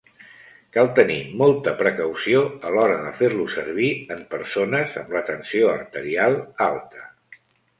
Cal tenir molta precaució a l'hora de fer-lo servir en persones amb la tensió arterial alta.